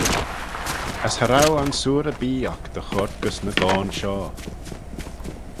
As cha row ansoor erbee oc dy choyrt gys ny goan shoh.